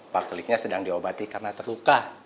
pak keliknya sedang diobati karna terluka